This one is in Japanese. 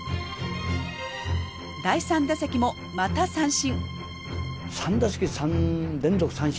第３打席もまた三振。